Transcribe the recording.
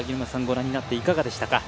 ご覧になっていかがでしたか？